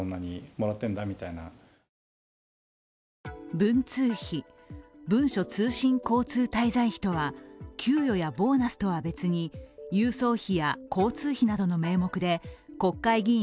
文通費＝文書通信交通滞在費とは給与やボーナスとは別に郵送費や交通費などの名目で国会議員